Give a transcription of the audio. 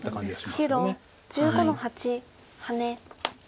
白１５の八ハネ。